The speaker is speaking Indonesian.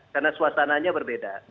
karena suasananya berbeda